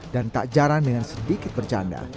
dan tak jarang dengan sedikit bercanda